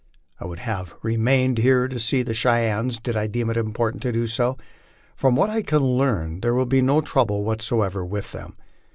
... I would have re mained here to see the Cheyennes did I deem it important to do so. From what I can learn there will be no trouble whatever with them.